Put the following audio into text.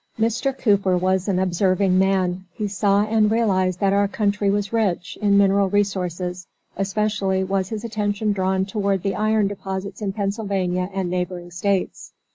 Mr. Cooper was an observing man; he saw and realized that our country was rich in mineral resources; especially was his attention drawn toward the iron deposits in Pennsylvania and neighboring States.